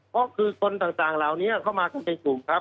ก็คือคนต่างเหล่านี้เข้ามากันในกลุ่มครับ